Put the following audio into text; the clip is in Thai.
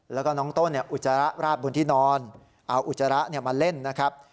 แล้วก็น้องต้นอุจจาระราดบนที่นอนเอาอุจจาระมาเล่นนะครับ